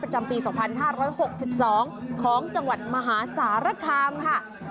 ประจำปี๒๕๖๒ของจังหวัดมหาสารคามค่ะ